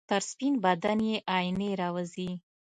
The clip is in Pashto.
تر سپین بدن یې آئینې راوځي